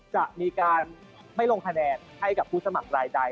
จะมีการไม่ลงคะแนนให้กับผู้สมัครรายใด